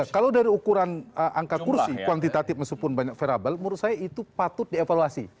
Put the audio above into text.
kalau dari ukuran angka kursi kuantitatif meskipun banyak variable menurut saya itu patut dievaluasi